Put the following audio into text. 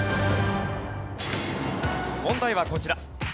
問題はこちら。